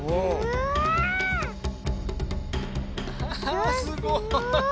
わあすごい。